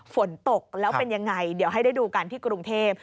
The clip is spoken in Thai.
ฝนตกแล้วเป็นยังไงเดี๋ยวให้ได้ดูกันที่กรุงเทพ